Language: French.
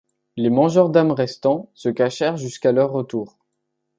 Les Mangeurs d'Âmes restant se cachèrent jusqu'à leur retour.